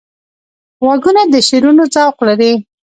غوږونه د شعرونو ذوق لري